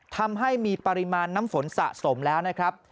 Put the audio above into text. ทำให้มีปริมาณน้ำฝนสะสมแล้วนะครับ